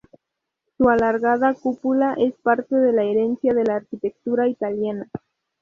Su alargada cúpula es parte de la herencia de la arquitectura italiana.